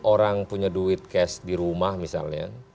orang punya duit cash di rumah misalnya